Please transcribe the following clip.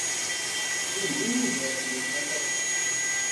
Dindin Yuba iḥemmel Nna Faḍma.